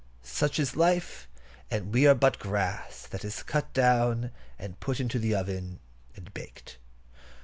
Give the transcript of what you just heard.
Such is life; and we are but as grass that is cut down, and put into the oven and baked.